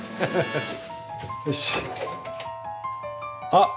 あ！